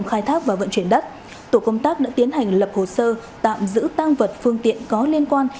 khai thác và vận chuyển đất tổ công tác đã tiến hành lập hồ sơ tạm giữ tăng vật phương tiện có liên quan